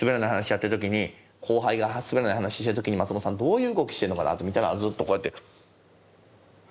やってる時に後輩がすべらない話をしてる時に松本さんどういう動きしてるのかなって見たらずっとこうやって。